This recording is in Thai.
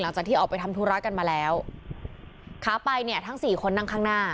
หลังจากที่ออกไปทำธุระกันมาแล้วขาไปเนี่ยทั้งสี่คนนั่งข้างหน้า